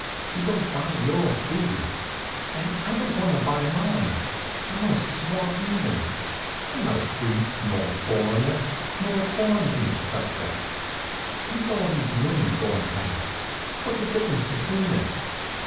You don't buy yours, do you? And I don't want to buy mine. I want to swap even. I'm not a freak, nor a foreigner, nor a quarantine suspect. Look at all these women going past what's the difference between us?